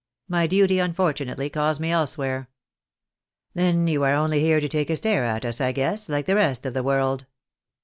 My duty, unfortunately, calls me elsewhere." " Then you are only here to take a stare at us, I guess, like the rest of the world.